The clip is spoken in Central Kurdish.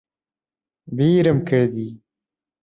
بیرم کردی